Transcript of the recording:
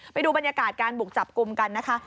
ไปดูบรรยากาศการบุกจับกลุ่มกันนะคะ